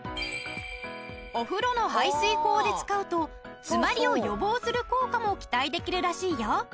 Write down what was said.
お風呂の排水口で使うとつまりを予防する効果も期待できるらしいよ！